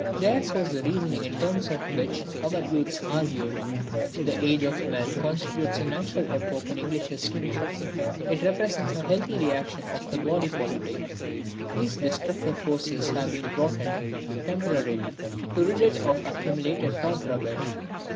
Theirs was the reasoning in terms of which our youths argued. The age of Mill constitutes a natural epoch in English History. It represents a healthy reaction of the body politic; these destructive forces having been brought in, temporarily, to rid it of accumulated thought rubbish.